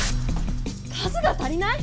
数が足りない⁉